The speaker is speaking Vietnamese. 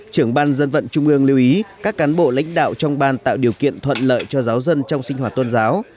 trưởng ban dân vận trung ương lưu ý các cán bộ lãnh đạo trong ban tạo điều kiện thuận lợi cho giáo dân trong sinh hoạt tôn giáo